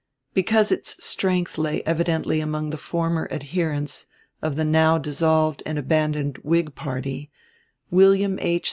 Because its strength lay evidently among the former adherents of the now dissolved and abandoned Whig party, William H.